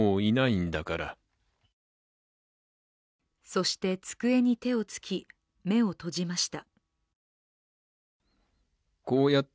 そして机に手をつき、目を閉じました。